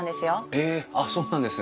えあっそうなんですね。